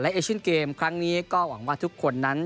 เอเชียนเกมครั้งนี้ก็หวังว่าทุกคนนั้น